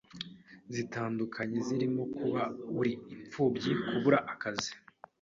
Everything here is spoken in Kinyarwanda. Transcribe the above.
zitandukanye zirimo kuba uri imfubyi, kubura akazi,